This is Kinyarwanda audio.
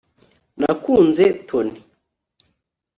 nakunze tony